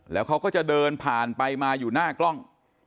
แล้วเขาก็จะเดินผ่านไปมาอยู่หน้ากล้อง